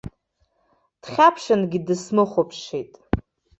Дхьаԥшынгьы дысмыхәаԥшит.